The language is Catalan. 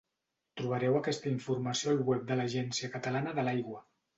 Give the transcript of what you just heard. Trobareu aquesta informació al web de l'Agència Catalana de l'Aigua.